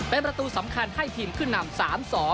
เป็นประตูสำคัญให้ทีมขึ้นนำ๓๒